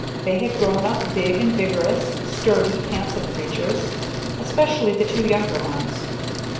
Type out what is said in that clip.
They had grown up big and vigorous, sturdy, handsome creatures, especially the two younger ones.